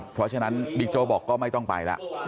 เพราะฉะนั้นบิ๊กโจ๊กบอกก็ไม่ต้องไปแล้ว